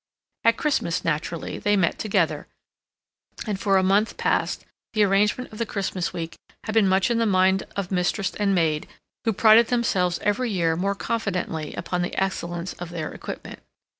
At Christmas, naturally, they met together; and for a month past the arrangement of the Christmas week had been much in the mind of mistress and maid, who prided themselves every year more confidently upon the excellence of their equipment.